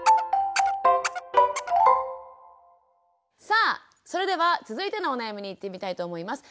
さあそれでは続いてのお悩みにいってみたいと思います。